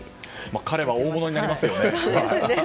彼は大物になりますね。